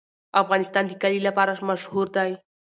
افغانستان د کلي لپاره مشهور دی.